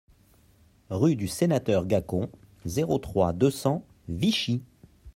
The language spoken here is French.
Rue du Sénateur Gacon, zéro trois, deux cents Vichy